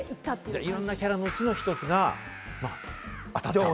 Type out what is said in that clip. いろんなキャラの１つが当たったと。